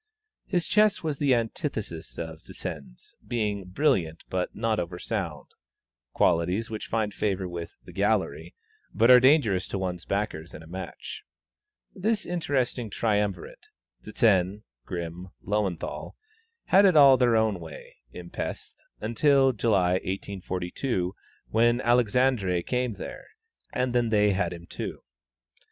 His chess was the antithesis of Zsen's, being "brilliant, but not over sound," qualities which find favor with "the gallery," but are dangerous to one's backers in a match. This interesting triumvirate Zsen, Grimm, Löwenthal had it all their own way, in Pesth, until July, 1842, when Alexandre came there, and then they had him too.